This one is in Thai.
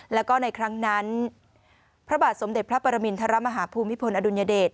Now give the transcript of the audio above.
แล้วก็ในครั้งนั้นพระบาทสมเด็จพระปรมินทรมาฮภูมิพลอดุลยเดช